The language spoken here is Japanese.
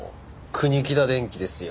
国木田電器ですよ。